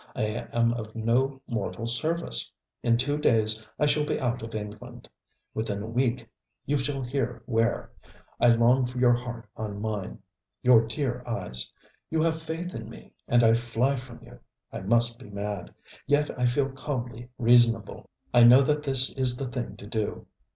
I am of no mortal service. In two days I shall be out of England. Within a week you shall hear where. I long for your heart on mine, your dear eyes. You have faith in me, and I fly from you! I must be mad. Yet I feel calmly reasonable. I know that this is the thing to do.